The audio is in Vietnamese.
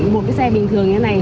một cái xe bình thường như thế này